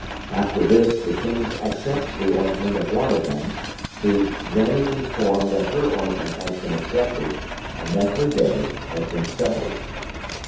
After this the King accepts the ointment of one of them, who then is informed that her ointment has been accepted, and that her day has been settled.